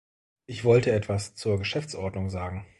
Ich wollte etwas zur Geschäftsordnung sagen.